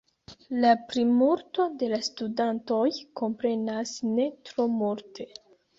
La plimulto de la studantoj komprenas ne tro multe.